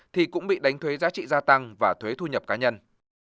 thì cũng bị đánh thuế giá trị gia tăng và thuế thu nhập cá nhân